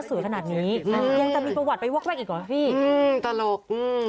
อืมตลกอืมตลกตลก